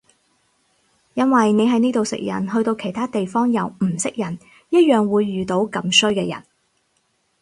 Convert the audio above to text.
因為你喺呢度食人去到其他地方又唔識人一樣會遇到咁衰嘅人